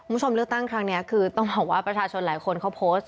คุณผู้ชมเลือกตั้งครั้งนี้คือต้องบอกว่าประชาชนหลายคนเขาโพสต์